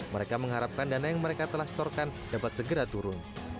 mereka mengharapkan dana yang mereka telah setorkan dapat segera turun